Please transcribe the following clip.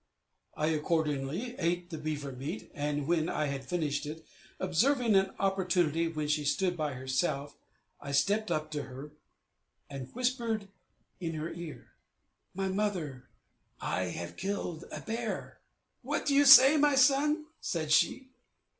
"I accordingly ate the beaver meat, and when I had finished it, observing an opportunity when she stood by herself, I stepped up to her, and whispered in her ear, "My mother, I have killed a bear." "What do you say, my son?" said she.